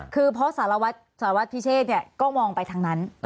คือเพราะสารวัฒน์พิเศษเนี่ยก็มองไปทางนั้น